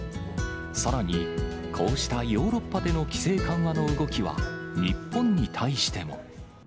さらに、こうしたヨーロッパでの規制緩和の動きは、日本に対しても。